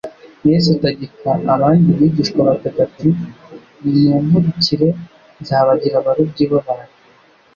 Yesu ategeka abandi bigishwa batatu ati: "Nimunkurikire nzabagira abarobyi b'abantu".